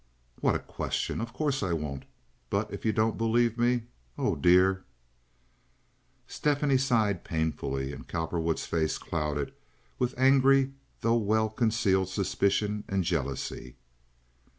"What a question! Of course I won't. But if you don't believe me—oh, dear—" Stephanie sighed painfully, and Cowperwood's face clouded with angry though well concealed suspicion and jealousy.